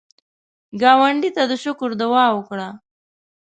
ګاونډي ته د شکر دعا وکړه